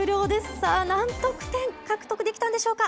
さあ、何得点、獲得できたんでしょうか。